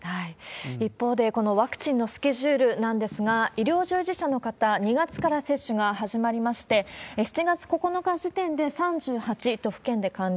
一方で、このワクチンのスケジュールなんですが、医療従事者の方、２月から接種が始まりまして、７月９日時点で３８都府県で完了。